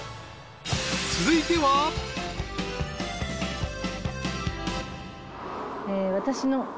［続いては］私の。